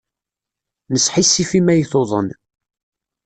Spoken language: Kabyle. Nesḥissif imi ay tuḍen.